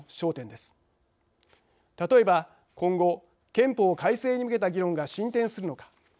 例えば今後憲法改正に向けた議論が進展するのか。